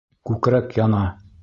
Күкрәк яна!